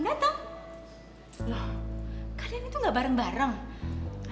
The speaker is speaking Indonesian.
gue takut ada apa apa sebelum mereka